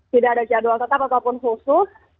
tidak ada jadwal tetap ataupun khusus